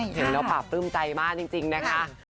เห็นแล้วปราบปลื้มใจมากจริงนะคะ